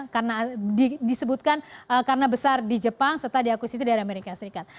karena disebutkan karena besar di jepang serta diakuisisi dari amerika serikat